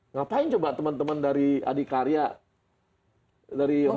ngapain coba teman teman dari adhikarya dari hotel